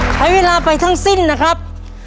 ใช้เวลาไปทั้งสิ้นนะครับ